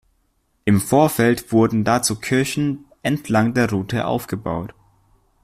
Im Vorfeld wurden dazu Kirchen entlang der Route aufgebaut.